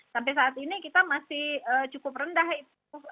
sampai saat ini kita masih cukup rendah itu